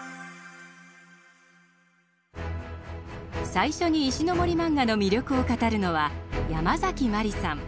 最初に石森マンガの魅力を語るのはヤマザキマリさん。